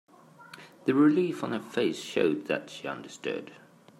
The relief on her face showed that she understood.